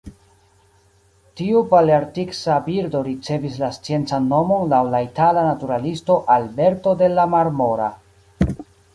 Tiu palearktisa birdo ricevis la sciencan nomon laŭ la itala naturalisto Alberto della Marmora.